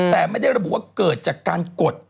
แต่ไม่ได้ระบุว่าเกิดจากการกด